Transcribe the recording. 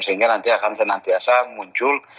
sehingga nanti akan senantiasa muncul